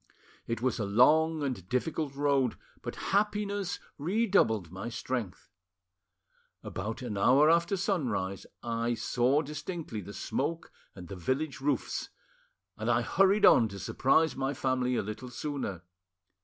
It was a long and difficult road, but happiness redoubled my strength. About an hour after sunrise I saw distinctly the smoke and the village roofs, and I hurried on to surprise my family a little sooner.